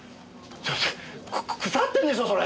ちょっと腐ってんでしょそれ！